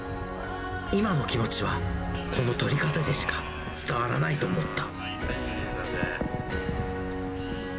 今の気持ちは、この撮り方でしか伝わらないと思った。